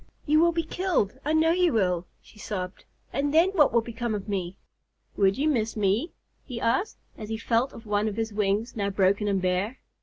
"You will be killed, I know you will," she sobbed. "And then what will become of me?" "Would you miss me?" he asked, as he felt of one of his wings, now broken and bare.